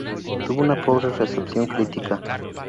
Tuvo una pobre recepción crítica.